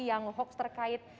yang hoax terkait